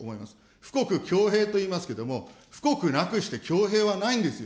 富国強兵といいますけれども、富国なくして強兵はないんですよ。